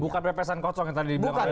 bukan repesan kocok yang tadi di bilangkan